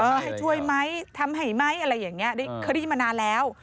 ให้ช่วยไหมทำให้ไหมอะไรอย่างนี้เคยได้ยินมานานแล้ว